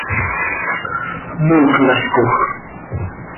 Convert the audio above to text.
mooxnalcoj.